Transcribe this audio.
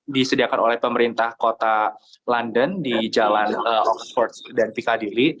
disediakan oleh pemerintah kota london di jalan oxford dan pikadili